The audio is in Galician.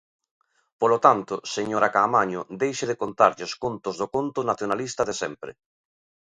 Polo tanto, señora Caamaño, deixe de contarlles contos do conto nacionalista de sempre.